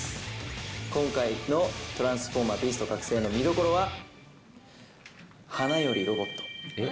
今回のトランスフォーマー／ビースト覚醒の見どころは、花よりロボット。